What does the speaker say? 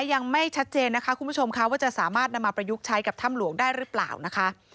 ยังไม่ชัดเจนนะคะคุณผู้ชมค่ะว่าจะสามารถนำมาประยุกต์ใช้กับถ้ำหลวงได้หรือเปล่านะคะ